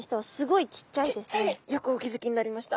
よくお気付きになりました。